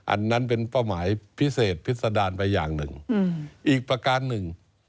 อันนั้นเป็นเป้าหมายพิเศษพิษดารไปอย่างหนึ่งอีกประการหนึ่ง